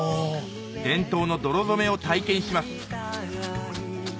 伝統の泥染めを体験します